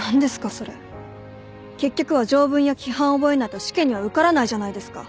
結局は条文や規範を覚えないと試験には受からないじゃないですか。